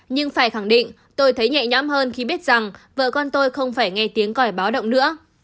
nhưng phải khẳng định tôi thấy nhẹ nhõm hơn khi biết rằng vợ con tôi không phải nghe tiếng còi báo động nữa